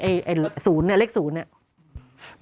ไอ้๐เนี่ยเลข๐เนี่ย